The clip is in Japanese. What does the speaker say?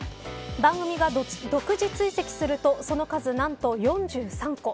番組が独自追跡するとその数なんと４３個。